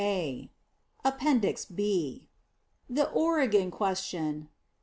] APPENDIX B. THE OREGON QUESTION.